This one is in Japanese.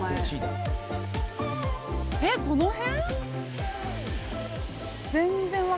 えっこの辺？